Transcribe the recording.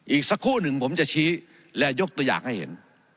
อีกสักครู่หนึ่งผมจะชี้และยกตัวอย่างให้เห็น